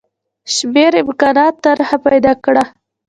شمېر امکاناتو طرح پیدا کړه.